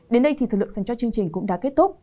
đến đây thì thời lượng dành cho chương trình cũng đã kết thúc